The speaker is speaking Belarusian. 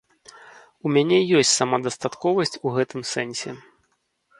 У мяне ёсць самадастатковасць у гэтым сэнсе.